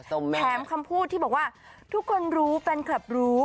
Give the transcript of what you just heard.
แถมคำพูดที่บอกว่าทุกคนรู้แฟนคลับรู้